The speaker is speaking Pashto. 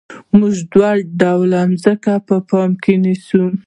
موږ دوه ډوله ځمکه په پام کې نیسو